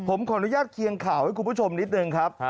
ผมขออนุญาตเคียงข่าวให้คุณผู้ชมนิดนึงครับ